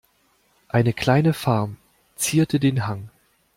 Eine kleine Farm zierte den Hang.